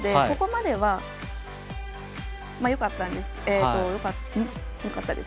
ここまではよかったんですね。